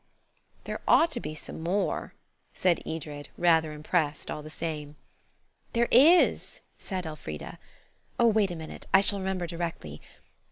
'" "There ought to be some more," said Edred–rather impressed, all the same. "There is," said Elfrida. "Oh, wait a minute–I shall remember directly.